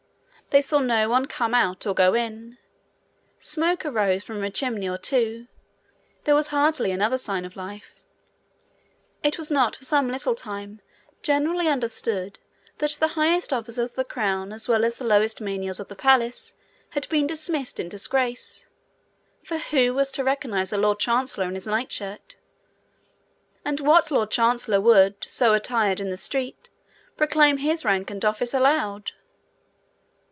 They saw no one come out or go in. Smoke arose from a chimney or two; there was hardly another sign of life. It was not for some little time generally understood that the highest officers of the crown as well as the lowest menials of the palace had been dismissed in disgrace: for who was to recognize a lord chancellor in his nightshirt? And what lord chancellor would, so attired in the street, proclaim his rank and office aloud?